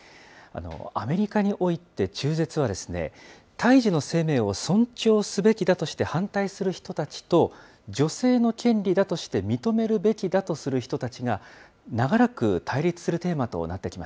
アメリカにおいて、中絶は胎児の生命を尊重すべきだとして反対する人たちと、女性の権利だとして認めるべきだとする人たちが、長らく対立するテーマ